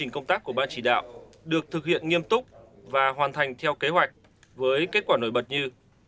chỉ đạo được thực hiện nghiêm túc và hoàn thành theo kế hoạch với kết quả nổi bật như